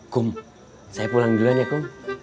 gum saya pulang duluan ya kum